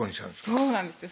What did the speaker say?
そうなんですよ